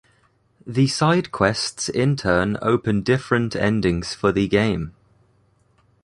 The side quests in turn open different endings for the game.